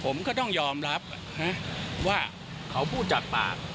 ผมก็ต้องยอมรับว่าเขาพูดจากปาก